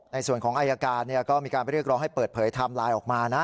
ในส่วนของอายการก็มีการไปเรียกร้องให้เปิดเผยไทม์ไลน์ออกมานะ